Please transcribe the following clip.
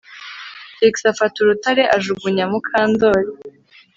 Trix afata urutare ajugunya Mukandoli